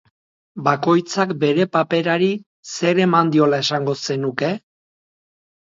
Bakoitzak bere paperari zer eman diola esango zenuke?